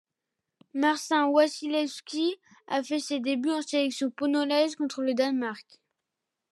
Marcin Wasilewski a fait ses débuts en sélection polonaise le contre le Danemark.